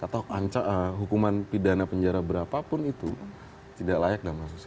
atau hukuman pidana penjara berapapun itu tidak layak dalam maksud saya